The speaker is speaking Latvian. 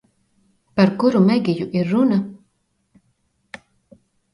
Par kuru Megiju ir runa?